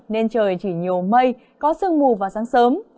nên trời chỉ nhiều mây có sương mù vào sáng sớm